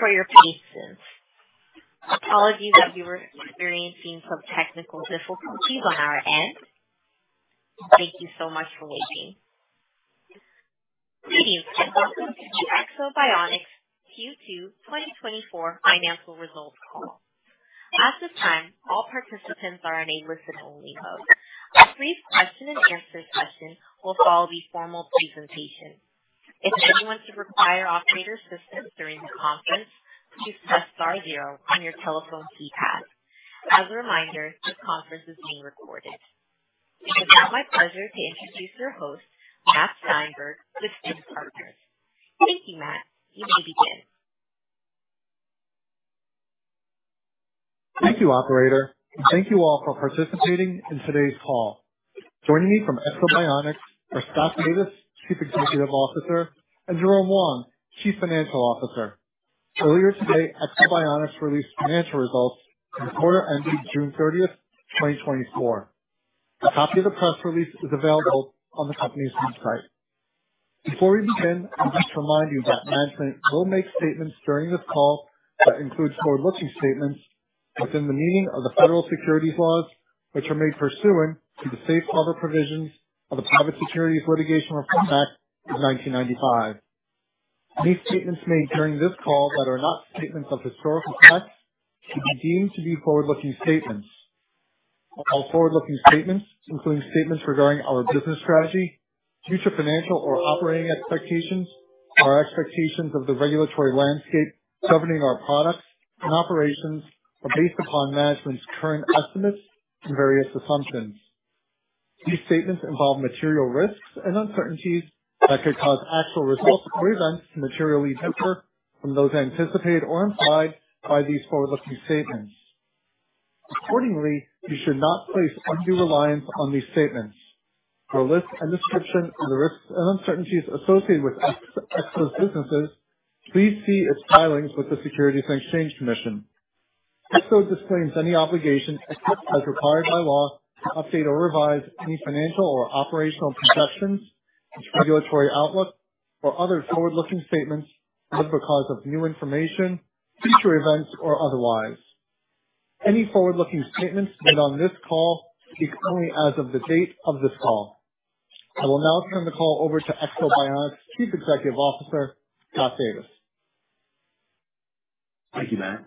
Thank you for your patience. Apologies that you were experiencing some technical difficulties on our end. Thank you so much for waiting. Good evening, and welcome to the Ekso Bionics Q2 2024 Financial Results Call. At this time, all participants are on a listen-only mode. A brief question-and-answer session will follow the formal presentation. If anyone should require operator assistance during the conference, please press star zero on your telephone keypad. As a reminder, this conference is being recorded. It is now my pleasure to introduce your host, Matt Steinberg, with FINN Partners. Thank you, Matt. You may begin. Thank you, operator, and thank you all for participating in today's call. Joining me from Ekso Bionics are Scott Davis, Chief Executive Officer, and Jerome Wong, Chief Financial Officer. Earlier today, Ekso Bionics released financial results for the quarter ending June 30, 2024. A copy of the press release is available on the company's website. Before we begin, I'd like to remind you that management will make statements during this call that includes forward-looking statements within the meaning of the federal securities laws, which are made pursuant to the safe harbor provisions of the Private Securities Litigation Reform Act of 1995. These statements made during this call that are not statements of historical fact should be deemed to be forward-looking statements. All forward-looking statements, including statements regarding our business strategy, future financial or operating expectations, or expectations of the regulatory landscape governing our products and operations, are based upon management's current estimates and various assumptions. These statements involve material risks and uncertainties that could cause actual results or events to materially differ from those anticipated or implied by these forward-looking statements. Accordingly, you should not place undue reliance on these statements. For a list and description of the risks and uncertainties associated with Ekso's businesses, please see its filings with the Securities and Exchange Commission. Ekso disclaims any obligation, except as required by law, to update or revise any financial or operational projections, its regulatory outlook, or other forward-looking statements, whether because of new information, future events or otherwise. Any forward-looking statements made on this call speak only as of the date of this call. I will now turn the call over to Ekso Bionics' Chief Executive Officer, Scott Davis. Thank you, Matt.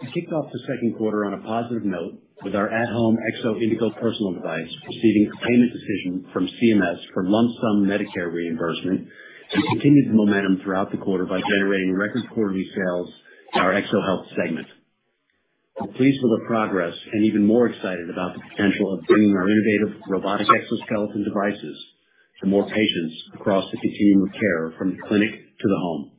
We kicked off the second quarter on a positive note with our at-home Ekso Indego Personal device receiving a payment decision from CMS for lump sum Medicare reimbursement, and continued the momentum throughout the quarter by generating record quarterly sales in our EksoHealth segment. We're pleased with the progress and even more excited about the potential of bringing our innovative robotic exoskeleton devices to more patients across the continuum of care, from the clinic to the home.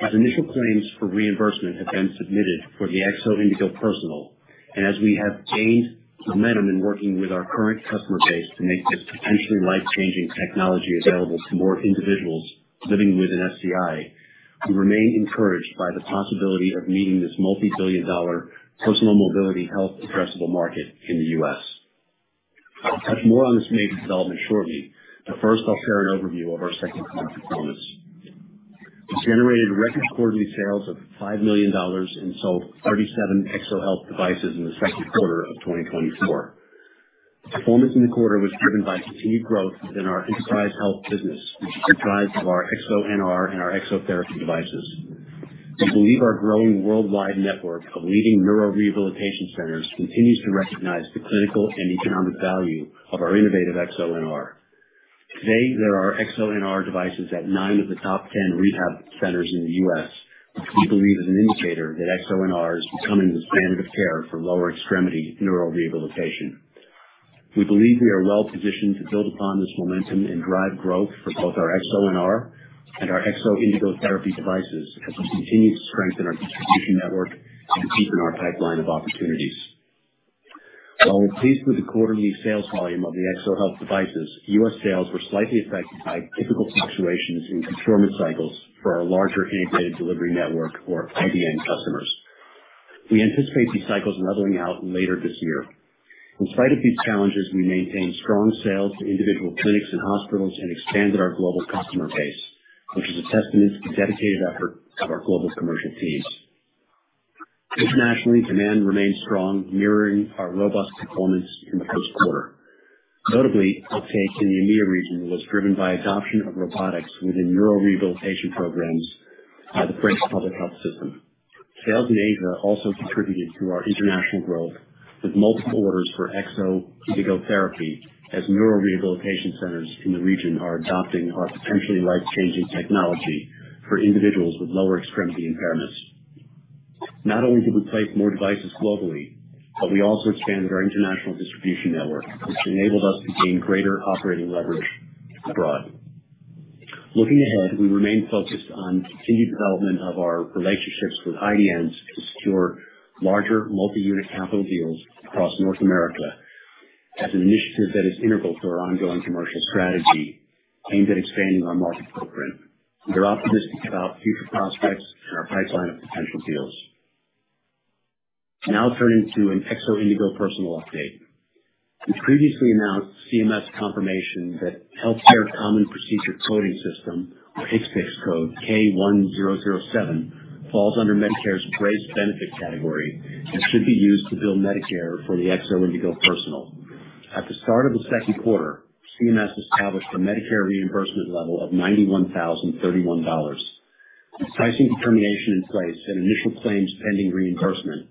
As initial claims for reimbursement have been submitted for the Ekso Indego Personal, and as we have gained momentum in working with our current customer base to make this potentially life-changing technology available to more individuals living with an SCI, we remain encouraged by the possibility of meeting this multi-billion dollar personal mobility health addressable market in the U.S. I'll touch more on this major development shortly, but first, I'll share an overview of our second quarter performance. We generated record quarterly sales of $5 million and sold 37 EksoHealth devices in the second quarter of 2024. Performance in the quarter was driven by continued growth in our enterprise health business, which is comprised of our EksoNR and our Ekso therapy devices. We believe our growing worldwide network of leading neurorehabilitation centers continues to recognize the clinical and economic value of our innovative EksoNR. Today, there are EksoNR devices at nine of the top ten rehab centers in the U.S., which we believe is an indicator that EksoNR is becoming the standard of care for lower extremity neurorehabilitation. We believe we are well positioned to build upon this momentum and drive growth for both our EksoNR and our Ekso Indego therapy devices, as we continue to strengthen our distribution network and deepen our pipeline of opportunities. While we're pleased with the quarterly sales volume of the EksoHealth devices, U.S. sales were slightly affected by typical fluctuations in procurement cycles for our larger integrated delivery network or IDN customers. We anticipate these cycles leveling out later this year. In spite of these challenges, we maintained strong sales to individual clinics and hospitals and expanded our global customer base, which is a testament to the dedicated efforts of our global commercial teams. Internationally, demand remains strong, mirroring our robust performance in the first quarter. Notably, our pace in the EMEA region was driven by adoption of robotics within neurorehabilitation programs by the French public health system. Sales in Asia also contributed to our international growth, with multiple orders for Ekso Indego Therapy, as neurorehabilitation centers in the region are adopting our potentially life-changing technology for individuals with lower extremity impairments. Not only did we place more devices globally, but we also expanded our international distribution network, which enabled us to gain greater operating leverage abroad. Looking ahead, we remain focused on continued development of our relationships with IDNs to secure larger multi-unit capital deals across North America as an initiative that is integral to our ongoing commercial strategy aimed at expanding our market footprint. We are optimistic about future prospects and our pipeline of potential deals. Now turning to an Ekso Indego Personal update. We previously announced CMS confirmation that Healthcare Common Procedure Coding System, or HCPCS code K1007, falls under Medicare's brace benefit category and should be used to bill Medicare for the Ekso Indego Personal. At the start of the second quarter, CMS established a Medicare reimbursement level of $91,031. With pricing determination in place and initial claims pending reimbursement,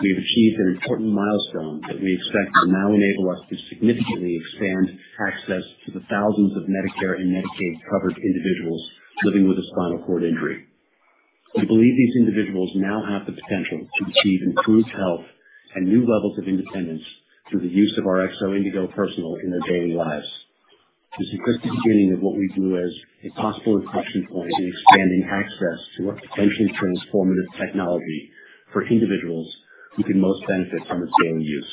we have achieved an important milestone that we expect will now enable us to significantly expand access to the thousands of Medicare and Medicaid-covered individuals living with a spinal cord injury. We believe these individuals now have the potential to achieve improved health and new levels of independence through the use of our Ekso Indego Personal in their daily lives. This is just the beginning of what we view as a possible inflection point in expanding access to our potentially transformative technology for individuals who can most benefit from its daily use.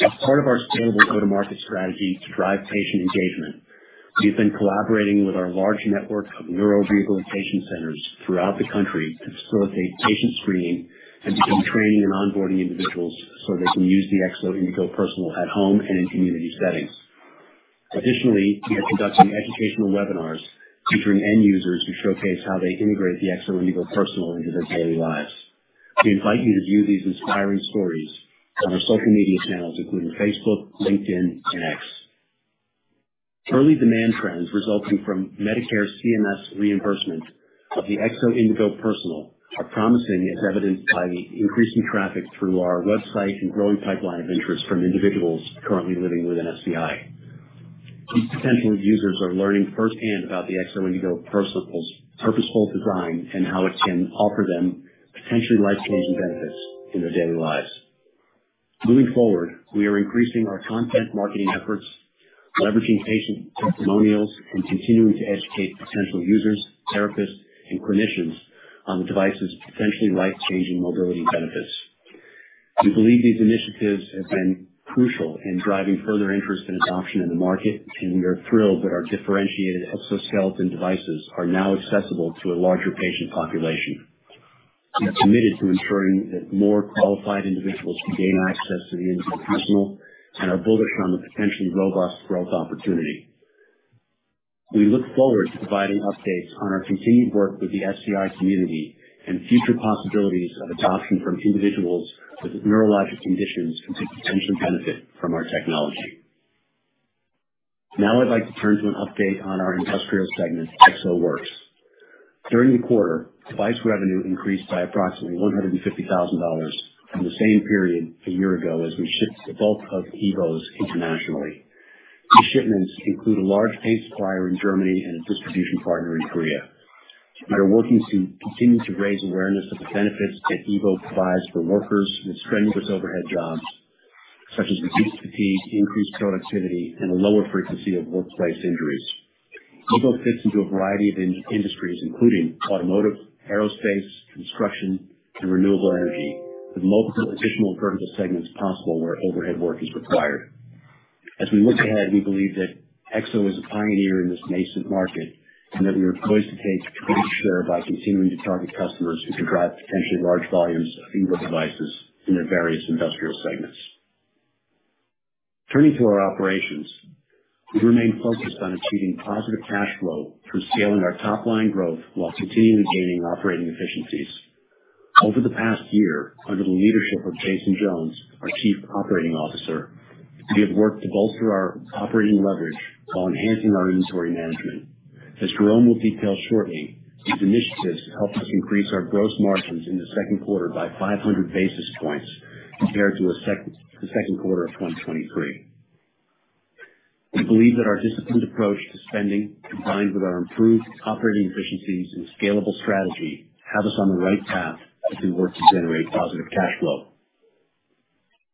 As part of our scalable go-to-market strategy to drive patient engagement, we've been collaborating with our large network of neurorehabilitation centers throughout the country to facilitate patient screening and begin training and onboarding individuals so they can use the Ekso Indego Personal at home and in community settings. Additionally, we are conducting educational webinars featuring end users to showcase how they integrate the Ekso Indego Personal into their daily lives. We invite you to view these inspiring stories on our social media channels, including Facebook, LinkedIn, and X. Early demand trends resulting from Medicare CMS reimbursement of the Ekso Indego Personal are promising, as evidenced by the increasing traffic through our website and growing pipeline of interest from individuals currently living with an SCI. These potential users are learning firsthand about the Ekso Indego Personal's purposeful design and how it can offer them potentially life-changing benefits in their daily lives. Moving forward, we are increasing our content marketing efforts, leveraging patient testimonials, and continuing to educate potential users, therapists, and clinicians on the device's potentially life-changing mobility benefits. We believe these initiatives have been crucial in driving further interest and adoption in the market, and we are thrilled that our differentiated exoskeleton devices are now accessible to a larger patient population. We are committed to ensuring that more qualified individuals can gain access to the Indego personal and are bullish on the potentially robust growth opportunity. We look forward to providing updates on our continued work with the SCI community and future possibilities of adoption from individuals with neurologic conditions who could potentially benefit from our technology. Now I'd like to turn to an update on our industrial segment, EksoWorks. During the quarter, device revenue increased by approximately $150,000 from the same period a year ago, as we shipped the bulk of EVOs internationally. These shipments include a large pace supplier in Germany and a distribution partner in Korea. We are working to continue to raise awareness of the benefits that EVO provides for workers with strenuous overhead jobs, such as reduced fatigue, increased productivity, and a lower frequency of workplace injuries. EVO fits into a variety of industries, including automotive, aerospace, construction, and renewable energy, with multiple additional vertical segments possible where overhead work is required. As we look ahead, we believe that Ekso is a pioneer in this nascent market and that we are poised to take a great share by continuing to target customers who could drive potentially large volumes of EVO devices in their various industrial segments. Turning to our operations, we remain focused on achieving positive cash flow through scaling our top-line growth while continually gaining operating efficiencies. Over the past year, under the leadership of Jason Jones, our Chief Operating Officer, we have worked to bolster our operating leverage while enhancing our inventory management. As Jerome will detail shortly, these initiatives helped us increase our gross margins in the second quarter by 500 basis points compared to the second quarter of 2023. We believe that our disciplined approach to spending, combined with our improved operating efficiencies and scalable strategy, have us on the right path as we work to generate positive cash flow.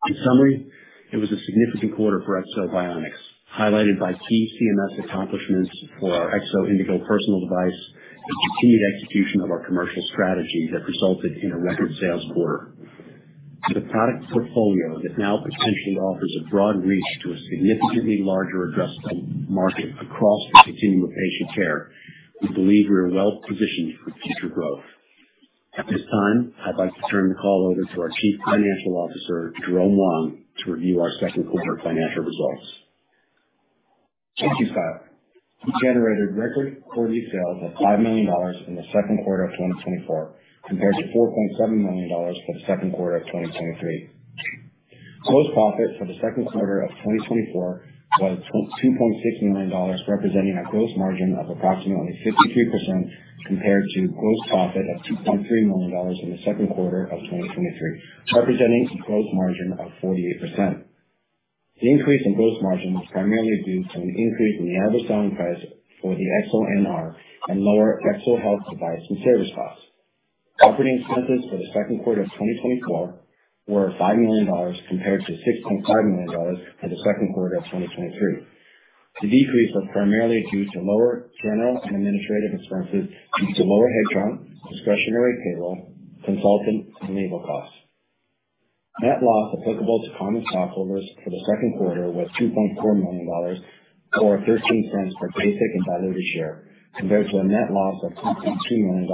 In summary, it was a significant quarter for Ekso Bionics, highlighted by key CMS accomplishments for our Ekso Indego Personal device and continued execution of our commercial strategy that resulted in a record sales quarter. With a product portfolio that now potentially offers a broad reach to a significantly larger addressed end market across the continuum of patient care, we believe we are well positioned for future growth. At this time, I'd like to turn the call over to our Chief Financial Officer, Jerome Wong, to review our second quarter financial results. Thank you, Scott. We generated record quarterly sales of $5 million in the second quarter of 2024, compared to $4.7 million for the second quarter of 2023. Gross profit for the second quarter of 2024 was 2.6 million dollars, representing a gross margin of approximately 52%, compared to gross profit of $2.3 million in the second quarter of 2023, representing a gross margin of 48%. The increase in gross margin was primarily due to an increase in the average selling price for the EksoNR and lower EksoHealth device and service costs. Operating expenses for the second quarter of 2024 were $5 million, compared to $6.5 million for the second quarter of 2023. The decrease was primarily due to lower general and administrative expenses, due to lower headcount, discretionary payroll, consultants, and labor costs. Net loss applicable to common stockholders for the second quarter was $2.4 million, or $0.13 per basic and diluted share, compared to a net loss of $2.2 million,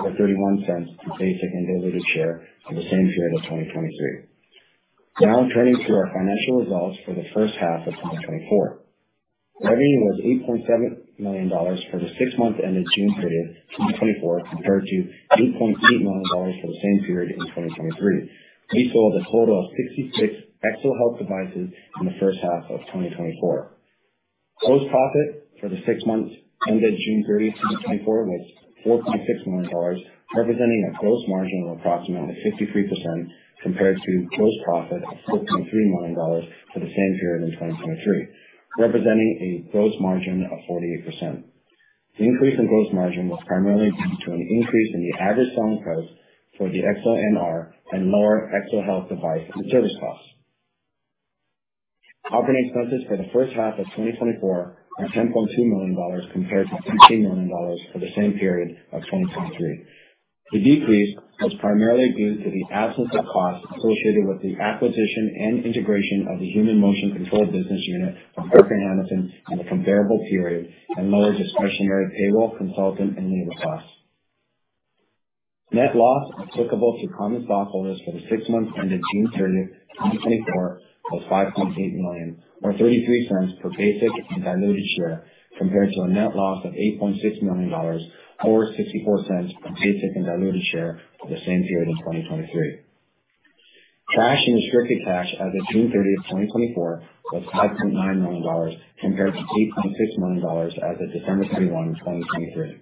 or $0.31 per basic and diluted share for the same period of 2023. Now turning to our financial results for the first half of 2024. Revenue was $8.7 million for the six months ended June 30th, 2024, compared to $8.8 million for the same period in 2023. We sold a total of 66 EksoHealth devices in the first half of 2024. Gross profit for the six months ended June 30, 2024, was $4.6 million, representing a gross margin of approximately 53%, compared to gross profit of $6.3 million for the same period in 2023, representing a gross margin of 48%. The increase in gross margin was primarily due to an increase in the average selling price for the EksoNR and lower EksoHealth device and service costs. Operating expenses for the first half of 2024 are $10.2 million, compared to $13 million for the same period of 2023. The decrease was primarily due to the absence of costs associated with the acquisition and integration of the Human Motion and Control business unit from Parker-Hannifin in the comparable period, and lower discretionary payroll, consultant, and legal costs. Net loss applicable to common stockholders for the six months ended June 30, 2024, was $5.8 million, or $0.33 per basic and diluted share, compared to a net loss of $8.6 million or $0.64 per basic and diluted share for the same period in 2023. Cash and restricted cash as of June 30, 2024, was $5.9 million, compared to $8.6 million as of December 31, 2023.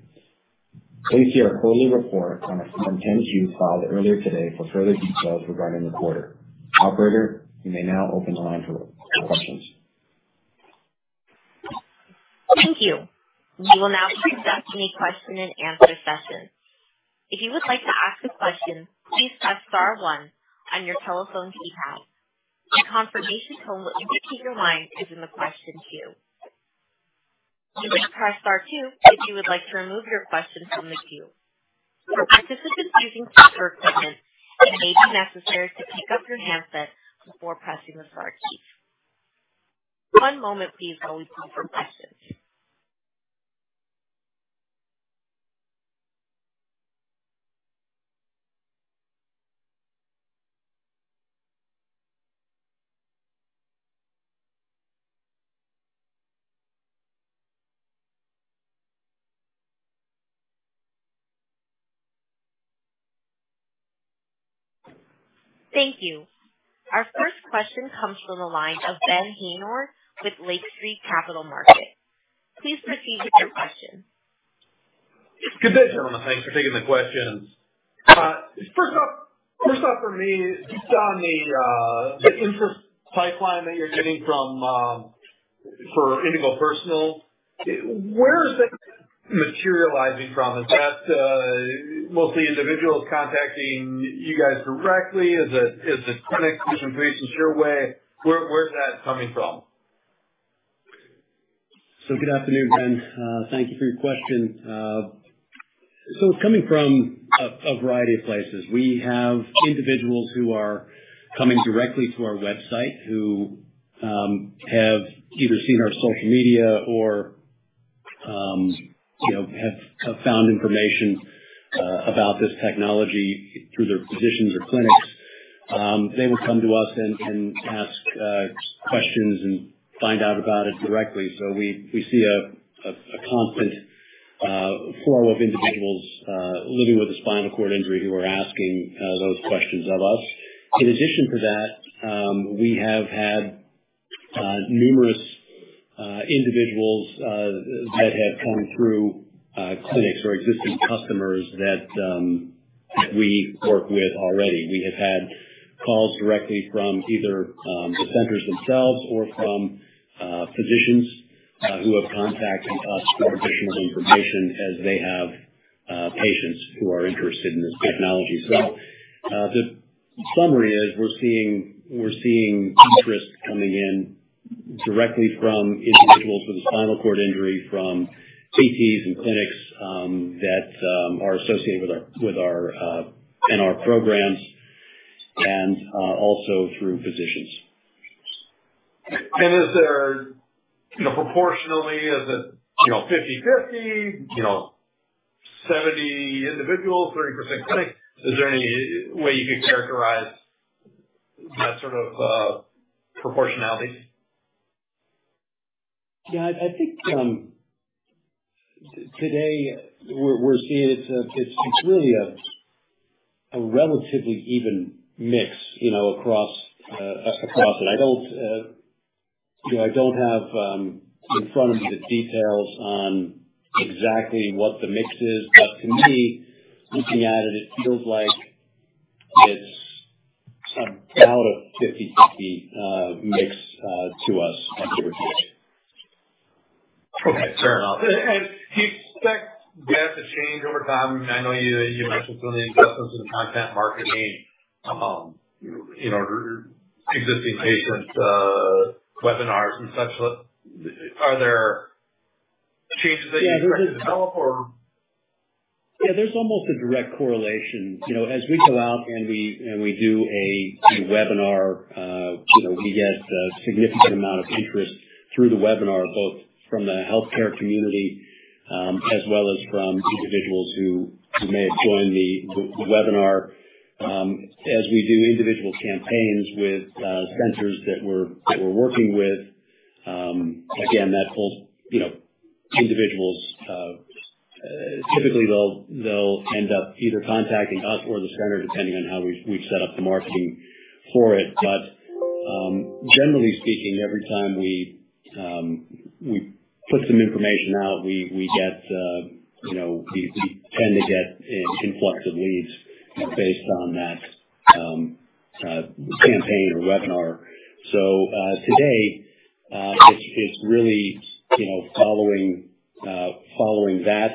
Please see our quarterly report on a Form 10-Q filed earlier today for further details regarding the quarter. Operator, you may now open the line for questions. Thank you. We will now proceed to the question-and-answer session. If you would like to ask a question, please press star one on your telephone keypad. A confirmation tone will indicate your line is in the question queue. You may press star two if you would like to remove your question from the queue. Participants using speaker equipment, it may be necessary to pick up your handset before pressing the star key. One moment please while we call for questions. Thank you. Our first question comes from the line of Ben Haynor with Lake Street Capital Markets. Please proceed with your question. Good day, gentlemen. Thanks for taking the questions. First off, for me, just on the, the interest pipeline that you're getting from, for Indego Personal, where is that materializing from? Is that, mostly individuals contacting you guys directly? Is it, clinics getting patients your way? Where is that coming from? So good afternoon, Ben. Thank you for your question. So it's coming from a variety of places. We have individuals who are coming directly to our website, who have either seen our social media or, you know, have found information about this technology through their physicians or clinics. They would come to us and ask questions and find out about it directly. So we see a constant flow of individuals living with a spinal cord injury who are asking those questions of us. In addition to that, we have had numerous individuals that have come through clinics or existing customers that we work with already. We have had calls directly from either the centers themselves or from physicians who have contacted us for additional information as they have patients who are interested in this technology. So, the summary is we're seeing interest coming in directly from individuals with a spinal cord injury, from CTs and clinics that are associated with our NR programs and also through physicians. Is there... You know, proportionally, is it, you know, 50/50? You know, 70 individuals, 30% clinics. Is there any way you could characterize that sort of proportionality? Yeah, I think today we're seeing it's really a relatively even mix, you know, across it. You know, I don't have in front of me the details on exactly what the mix is, but to me, looking at it, it feels like it's about a 50/50 mix to us as we review it. Okay, fair enough. And do you expect that to change over time? I know you, you mentioned doing the investments in content marketing, you know, existing patients, webinars and such. But are there changes that you foresee develop or-?... Yeah, there's almost a direct correlation. You know, as we go out and we do a webinar, you know, we get a significant amount of interest through the webinar, both from the healthcare community, as well as from individuals who may have joined the webinar. As we do individual campaigns with centers that we're working with, again, that whole, you know, individuals typically they'll end up either contacting us or the center, depending on how we've set up the marketing for it. But, generally speaking, every time we put some information out, we get, you know, we tend to get an influx of leads based on that campaign or webinar. So, today, it's really, you know, following that.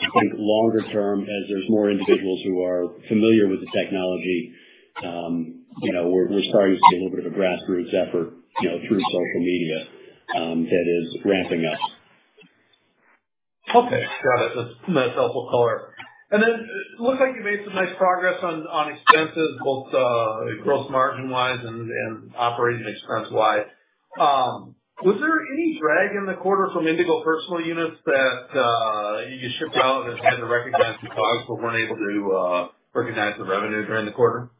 I think longer term, as there's more individuals who are familiar with the technology, you know, we're starting to see a little bit of a grassroots effort, you know, through social media, that is ramping up. Okay, got it. That's most helpful color. And then it looks like you made some nice progress on expenses, both gross margin-wise and operating expense-wise. Was there any drag in the quarter from Indego Personal units that you shipped out and had to recognize the costs but weren't able to recognize the revenue during the quarter?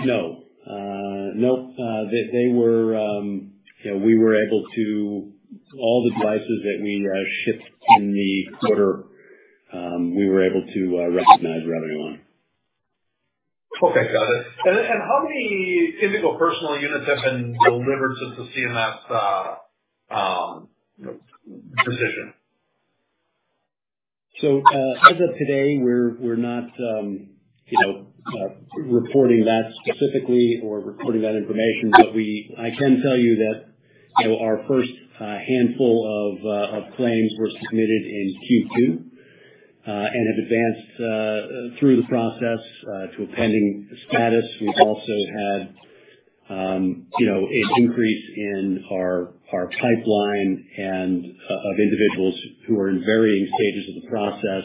No. Nope, they were. You know, we were able to. All the devices that we shipped in the quarter, we were able to recognize revenue on. Okay, got it. And how many Indego Personal units have been delivered to the CMS, precision? So, as of today, we're not, you know, reporting that specifically or reporting that information. But I can tell you that, you know, our first handful of claims were submitted in Q2 and have advanced through the process to a pending status. We've also had, you know, an increase in our pipeline of individuals who are in varying stages of the process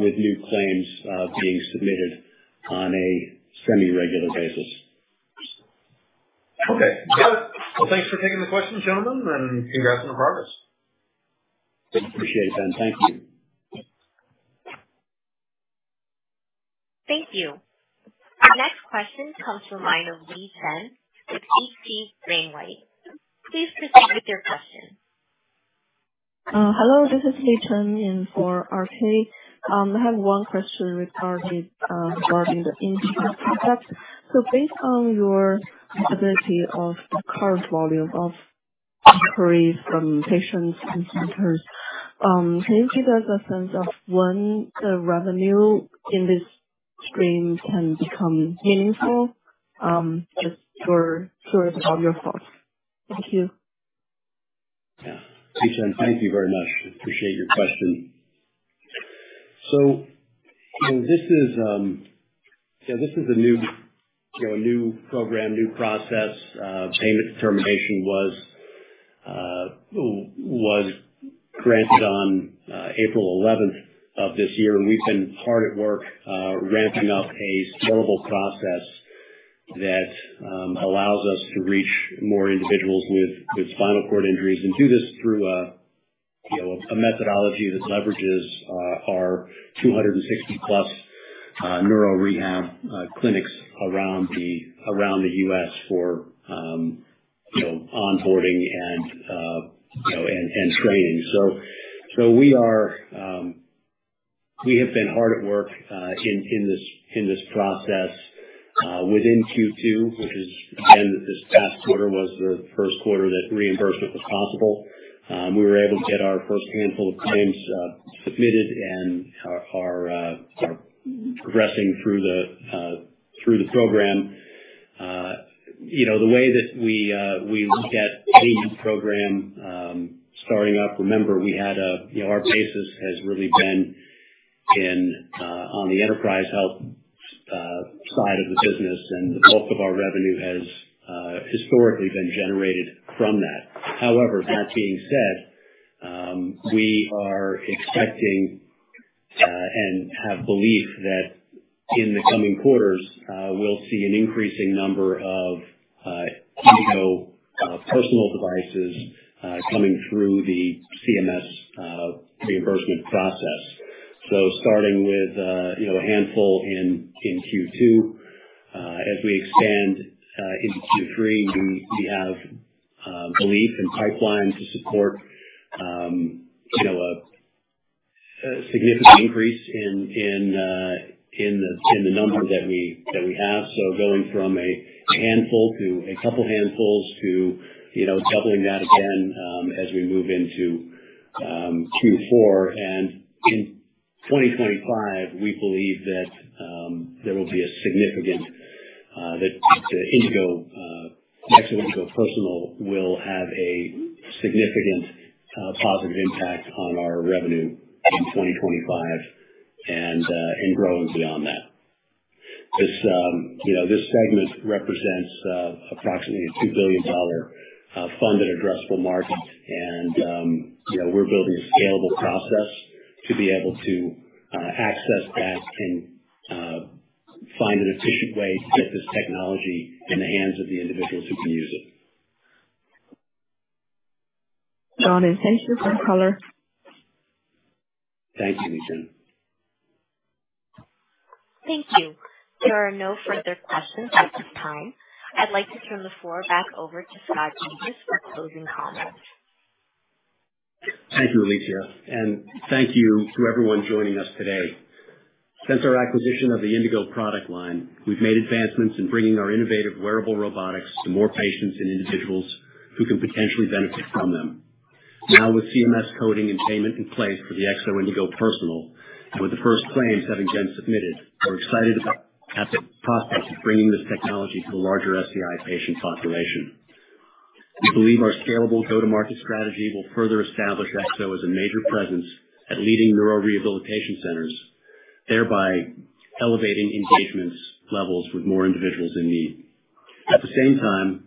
with new claims being submitted on a semi-regular basis. Okay, got it. Well, thanks for taking the questions, gentlemen, and congrats on the progress. Appreciate it, Ben. Thank you. Thank you. Our next question comes from the line of Li Chen with JPMorgan. Please proceed with your question. Hello, this is Li Chen in for R.C. I have one question regarding, regarding the insurance product. So based on your visibility of the current volume of inquiries from patients and centers, can you give us a sense of when the revenue in this stream can become meaningful? Just for curious about your thoughts. Thank you. Yeah. Li Chen, thank you very much. Appreciate your question. So, you know, this is, yeah, this is a new, you know, a new program, new process. Payment determination was granted on April eleventh of this year, and we've been hard at work, ramping up a scalable process that allows us to reach more individuals with spinal cord injuries. And do this through a, you know, a methodology that leverages our 260+ neuro rehab clinics around the U.S. for, you know, onboarding and training. So, we are... We have been hard at work in this process within Q2, which is again, this past quarter was the first quarter that reimbursement was possible. We were able to get our first handful of claims submitted and are progressing through the program. You know, the way that we looked at the program starting up, remember, we had a... You know, our basis has really been in on the enterprise health side of the business, and the bulk of our revenue has historically been generated from that. However, that being said, we are expecting and have belief that in the coming quarters we'll see an increasing number of Indego personal devices coming through the CMS reimbursement process. So starting with, you know, a handful in Q2, as we expand into Q3, we have belief and pipeline to support, you know, a significant increase in the number that we have. So going from a handful to a couple handfuls to, you know, doubling that again, as we move into Q4. And in 2025, we believe that there will be a significant, that the Indego next Indego Personal will have a significant positive impact on our revenue in 2025 and growing beyond that. This, you know, this segment represents approximately a $2 billion funded addressable market. You know, we're building a scalable process to be able to access that and find an efficient way to get this technology in the hands of the individuals who can use it. Thank you for color. Thank you, Li Chen. Thank you. There are no further questions at this time. I'd like to turn the floor back over to Scott Davis for closing comments. Thank you, Alicia, and thank you to everyone joining us today. Since our acquisition of the Indego product line, we've made advancements in bringing our innovative wearable robotics to more patients and individuals who can potentially benefit from them. Now, with CMS coding and payment in place for the Ekso Indego Personal, and with the first claims having been submitted, we're excited about the prospects of bringing this technology to the larger SCI patient population. We believe our scalable go-to-market strategy will further establish Ekso as a major presence at leading neurorehabilitation centers, thereby elevating engagement levels with more individuals in need. At the same time,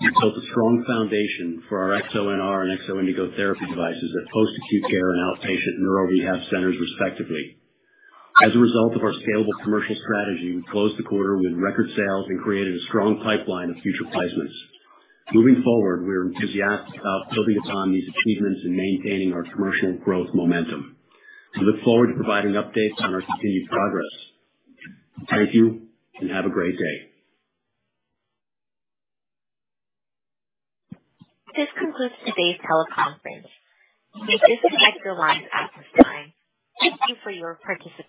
we've built a strong foundation for our EksoNR and Ekso Indego Therapy devices at post-acute care and outpatient neuro rehab centers, respectively. As a result of our scalable commercial strategy, we closed the quarter with record sales and created a strong pipeline of future placements. Moving forward, we are enthusiastic about building upon these achievements and maintaining our commercial growth momentum. We look forward to providing updates on our continued progress. Thank you, and have a great day. This concludes today's teleconference. You may disconnect your lines at this time. Thank you for your participation.